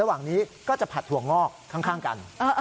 ระหว่างนี้ก็จะผัดถั่วงอกข้างกัน